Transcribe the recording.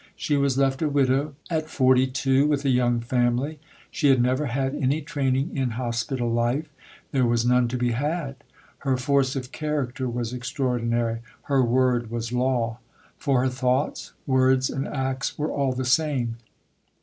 She was left a widow at 42 with a young family. She had never had any training in hospital life, there was none to be had. Her force of character was extraordinary. Her word was law. For her thoughts, words and acts were all the same.